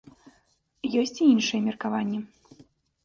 Ёсць і іншыя меркаванні.